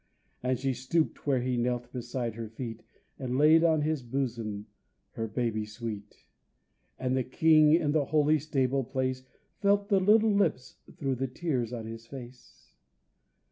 And she stooped where he knelt beside her feet And laid on his bosom her baby sweet. And the king in the holy stable place Felt the little lips through the tears on his face.